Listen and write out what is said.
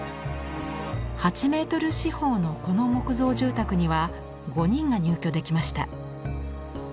８メートル四方のこの木造住宅には５人が入居できました。